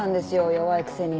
弱いくせに。